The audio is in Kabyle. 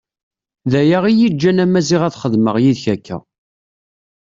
D aya iyi-iǧǧan a Maziɣ ad xedmeɣ yid-k akka.